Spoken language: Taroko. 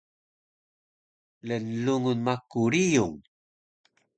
Lnlungun maku riyung